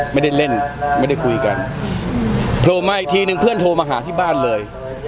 ไม่ได้เล่นไม่ได้คุยกันโผล่มาอีกทีนึงเพื่อนโทรมาหาที่บ้านเลย